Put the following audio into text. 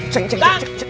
cik cik cik